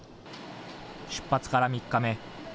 出発から３日目。